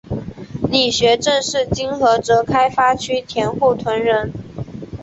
李学政是今菏泽开发区佃户屯人。